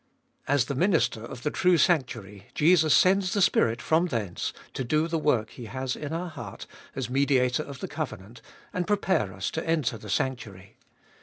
As the Minister of the true sanctuary Jesus sends the Spirit from thence to do the work He has in our heart as Mediator of the covenant, and prepare us to enter the sanctuary.